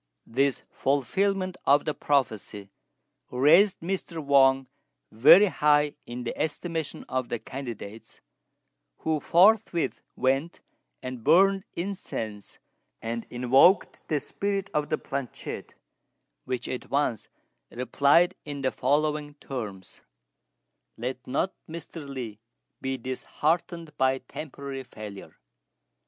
This fulfilment of the prophecy raised Mr. Wang very high in the estimation of the candidates, who forthwith went and burned incense and invoked the spirit of the planchette, which at once replied in the following terms: "Let not Mr. Li be disheartened by temporary failure.